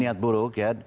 niat buruk ya